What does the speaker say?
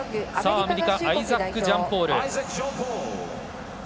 アメリカアイザック・ジャンポール。